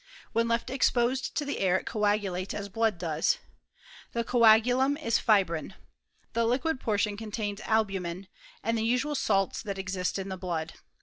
When left exposed to the air it coagulates as blood does. The coagulum h fibrin. The liquid portion contains albumen, and the usual salts that exist in the blood.